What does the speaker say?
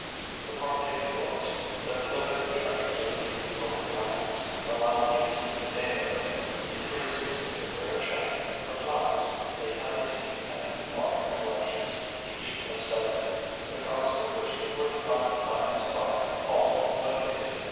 The parquet floors, the glittering treasures of the overmantels, the lounges, the dado, the friezes, the rare china, the plaques, the antique and the modern collections, each a study, the cost of which would have gone nigh to buy halt Windāhgil.